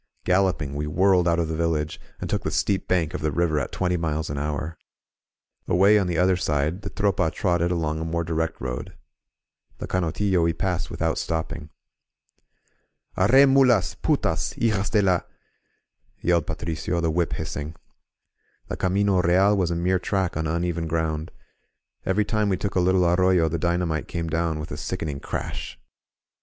Galloping, we whirled out of the village, and took the steep bank of the river at twenty miles an hour. Away on the other side, the Tropa trotted along a more direct road. The Canotillo we passed without stopping. ^*ArrS mulasl PutasI HiJM de la Ho ——/" yelled Patricio, the whip hissing. The Camino Real was a mere track on uneven ground; every time we took a little arroyo the dynamite came down with a sicken ing crash.